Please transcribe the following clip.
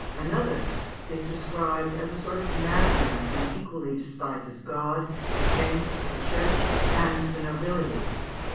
Another is described as a sort of madman who equally despises God, the saints, the Church, and the nobility.